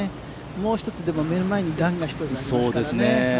もう一つ目の前に段が１つありますからね。